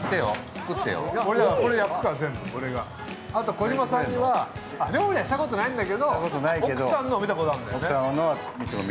児嶋さんには、料理はしたことないんだけど、奧さんのは見たことあるんだよね。